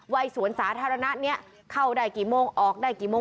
สวนสาธารณะนี้เข้าได้กี่โมงออกได้กี่โมง